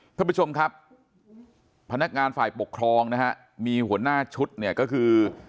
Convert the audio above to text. ท่านผู้ชมครับพนักงานฝ่ายปกครองนะฮะมีหัวหน้าชุดเนี่ยก็คือ